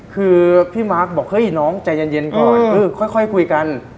คือพี่มาร์คบอกเฮ้ยน้องใจเย็นก่อนเออค่อยคุยกัน